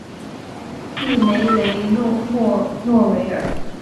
利梅雷默诺维尔。